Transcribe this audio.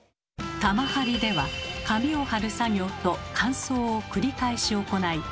玉貼りでは紙を貼る作業と乾燥をくり返し行い強度を高めます。